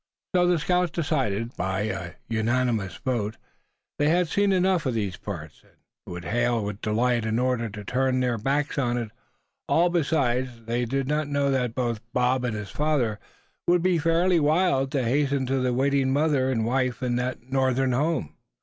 So the scouts decided, by a unanimous vote, that they had seen enough of these parts; and would hail with delight an order to turn their backs on it all. Besides, did they not know that both Bob and his father would be fairly wild to hasten to the waiting mother and wife in that Northern home?